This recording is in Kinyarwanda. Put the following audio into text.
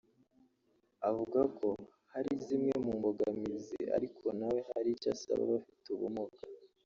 avuga ko hari zimwe mu mbogamizi ariko na we hari icyo asaba abafite ubumuga